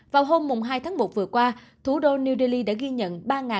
vào hôm hai tháng một vừa qua thủ đô new delhi đã ghi nhận ba một trăm chín mươi bốn